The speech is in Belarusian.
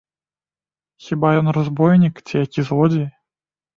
Хіба ён разбойнік ці які злодзей?